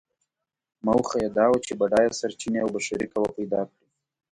موخه یې دا وه چې بډایه سرچینې او بشري قوه پیدا کړي.